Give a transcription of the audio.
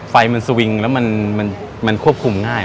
ไฟมันสวิงแล้วมันควบคุมง่าย